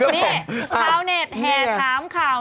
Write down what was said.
นี่ข่าวนี้แห่ถามข่าว